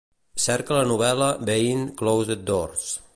Cerca la novel·la Behind closed doors